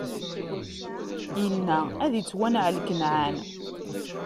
Inna: Ad ittwanɛel Kanɛan!